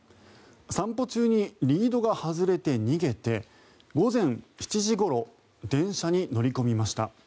散歩中にリードが外れて逃げて午前７時ごろ電車に乗り込みました。